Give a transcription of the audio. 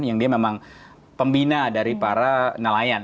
yang dia memang pembina dari para nelayan